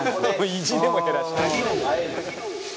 「意地でも減らしたい」多機能！